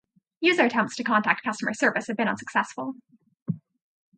User attempts to contact customer service have been unsuccessful.